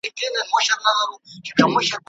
¬ په سپين سر، کيمخا پر سر.